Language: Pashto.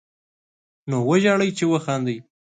نو وژاړئ، چې وخاندئ